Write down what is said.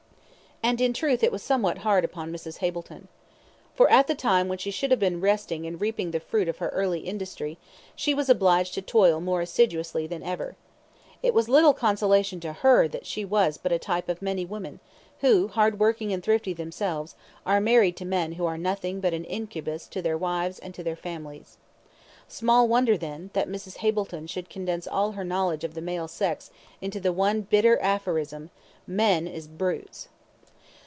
And in truth it was somewhat hard upon Mrs. Hableton. For at the time when she should have been resting and reaping the fruit of her early industry, she was obliged to toil more assiduously than ever. It was little consolation to her that she was but a type of many women, who, hardworking and thrifty themselves, are married to men who are nothing but an incubus to their wives and to their families. Small wonder, then, that Mrs. Hableton should condense all her knowledge of the male sex into the one bitter aphorism, "Men is brutes."